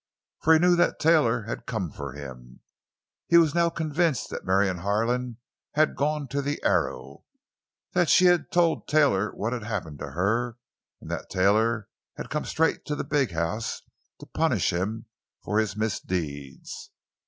For he knew that Taylor had come for him; he was now convinced that Marion Harlan had gone to the Arrow, that she had told Taylor what had happened to her, and that Taylor had come straight to the big house to punish him for his misdeeds.